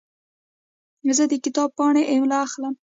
زه د کتاب پاڼې املا اخلم.